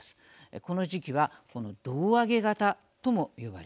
この時期はこの胴上げ型とも呼ばれます。